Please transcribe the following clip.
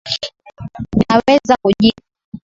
Naweza kujibu.